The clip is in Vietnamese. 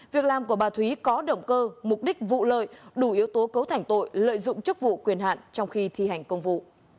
việc làm của bà thúy có động cơ mục đích vụ lợi đủ yếu tố cấu thành tội lợi dụng chức vụ quyền hạn trong khi thi hành công vụ